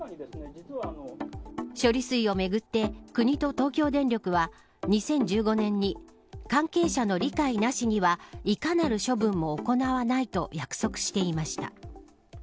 処理水をめぐって国と東京電力は２０１５年に関係者の理解なしにはいかなる処分も行わないと約束していました。